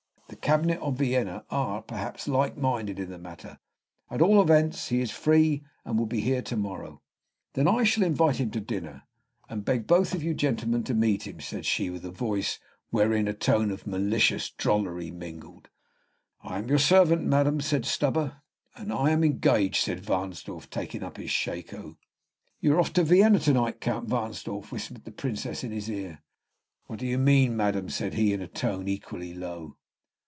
The cabinet of Vienna are, perhaps, like minded in the matter; at all events, he is free, and will be here to morrow." "Then I shall invite him to dinner, and beg both of you gentlemen to meet him," said she, with a voice wherein a tone of malicious drollery mingled. "I am your servant, madam," said Stubber. "And I am engaged," said Wahnsdorf, taking up his shako. "You are off to Vienna to night, Count Wahnsdorf," whispered the Princess in his ear. "What do you mean, madam?" said he, in a tone equally low.